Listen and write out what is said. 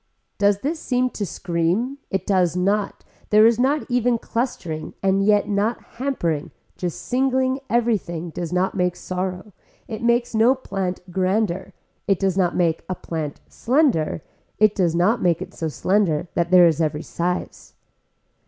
Does this seem to scream, it does not there is not even clustering and yet not hampering not singling everything does not make sorrow, it makes no plant grander, it does make a plant slender, it does not make it so slender that there is every size.